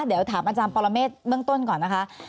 เดี๋ยวถามอาจารย์ปรเมฆเบื้องต้นก่อนนะคะ